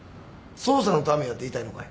捜査のためやって言いたいのかい？